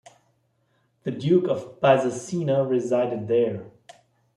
The Duke of Byzacena resided there.